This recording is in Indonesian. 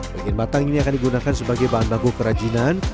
bagian batang ini akan digunakan sebagai bahan baku kerajinan